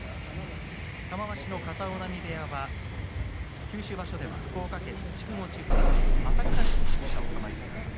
玉鷲の片男波部屋は九州場所では福岡県の筑後地方朝倉市に宿舎を構えています。